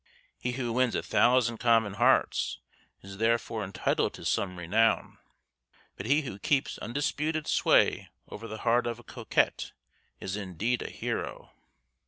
He who wins a thousand common hearts is therefore entitled to some renown, but he who keeps undisputed sway over the heart of a coquette is indeed a hero.